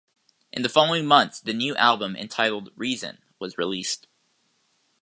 In the following months, the new album, entitled "Reason", was released.